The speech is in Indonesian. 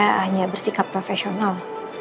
saya hanya bersikap profesional